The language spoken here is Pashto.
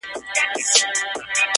خو زه بيا داسي نه يم,